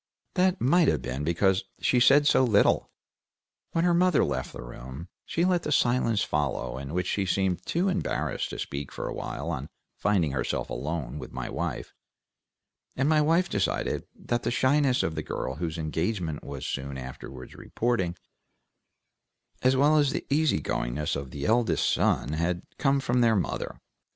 That might have been because she said so little. When her mother left the room she let a silence follow in which she seemed too embarrassed to speak for a while on finding herself alone with my wife, and my wife decided that the shyness of the girl whose engagement was soon afterward reported, as well as the easy goingness of the eldest son, had come from their mother.